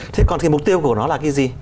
thế còn thì mục tiêu của nó là cái gì